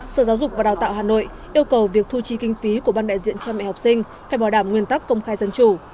sở giáo dục và đào tạo hà nội yêu cầu việc thu chi kinh phí của ban đại diện cha mẹ học sinh phải bỏ đảm nguyên tắc công khai dân chủ